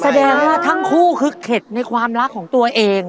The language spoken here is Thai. แสดงว่าทั้งคู่คือเข็ดในความรักของตัวเอง